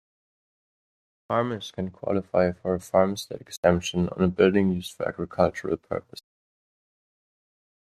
Farmers can qualify for a farmstead exemption on building used for agricultural purposes.